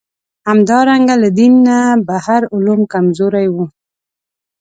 همدارنګه له دینه بهر علوم کمزوري وو.